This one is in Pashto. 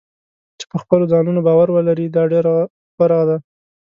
چې په خپلو ځانونو باور ولري دا ډېر غوره دی.